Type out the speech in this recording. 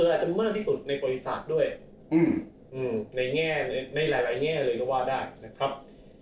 อาจจะมากที่สุดในบริษัทด้วยในแง่ในหลายแง่เลยก็ว่าได้นะครับ